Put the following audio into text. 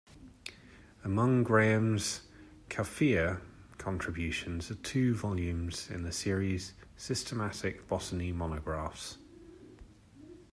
Among Graham's "Cuphea" contributions are two volumes in the series "Systematic Botany Monographs".